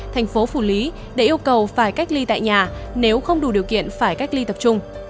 thành phố phủ lý để yêu cầu phải cách ly tại nhà nếu không đủ điều kiện phải cách ly tập trung